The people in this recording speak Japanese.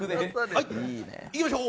はいいきましょう。